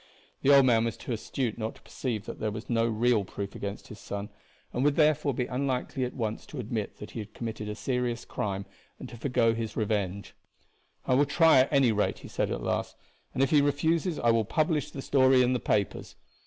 The old man was too astute not to perceive that there was no real proof against his son, and would therefore be unlikely at once to admit that he had committed a serious crime, and to forego his revenge. "I will try at any rate," he said at last; "and if he refuses I will publish the story in the papers.